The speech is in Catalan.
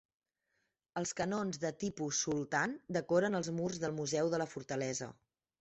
Els canons de Tipu Sultan decoren els murs del museu de la fortalesa.